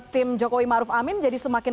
tim jokowi maruf amin jadi semakin